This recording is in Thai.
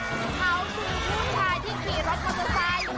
เขาคือผู้ชายที่กี่รถเขาจะซ้าย